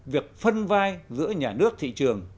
việc phân vai giữa nhà nước thị trường